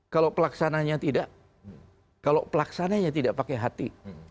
kalau pelaksananya tidak kalau pelaksananya tidak pakai hati